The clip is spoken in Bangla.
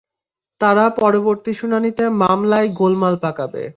তারা পরবর্তী শুনানিতে মামলায় গোলমাল পাকাবে।